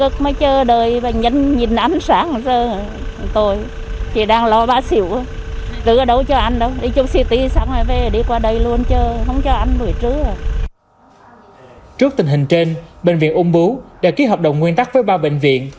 trước tình hình trên bệnh viện ung bú đã ký hợp đồng nguyên tắc với ba bệnh viện